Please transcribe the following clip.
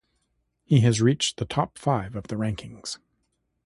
He has reached the top five of the rankings.